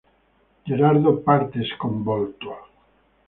Gerardo parte sconvolto.